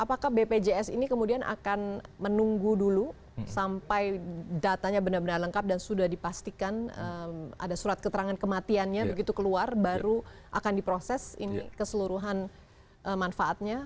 apakah bpjs ini kemudian akan menunggu dulu sampai datanya benar benar lengkap dan sudah dipastikan ada surat keterangan kematiannya begitu keluar baru akan diproses ini keseluruhan manfaatnya